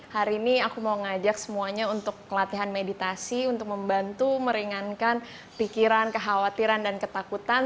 hari ini aku mau ngajak semuanya untuk latihan meditasi untuk membantu meringankan pikiran kekhawatiran dan ketakutan